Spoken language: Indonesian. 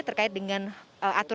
terkait dengan aturan kesehatan